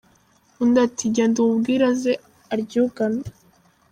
" Undi ati: «Genda umubwire aze aryugame».